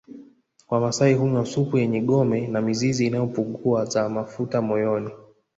Wamasai hunywa supu yenye gome na mizizi inayopunguza mafuta moyoni